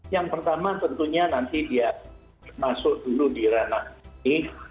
yang pertama tentunya nanti dia masuk dulu di ranah ini